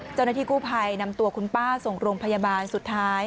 เจ้าหน้าที่กู้ภัยนำตัวคุณป้าส่งโรงพยาบาลสุดท้าย